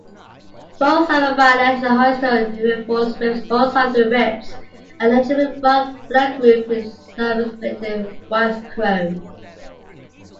Both sides of the bayonet has horizontal re-enforced ribs, both sides of the ribs are edged with blood groove, it surface plated in white chrome.